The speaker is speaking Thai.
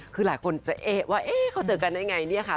คือหลายคนจะเอ๊ะว่าเอ๊ะเขาเจอกันได้ไงเนี่ยค่ะ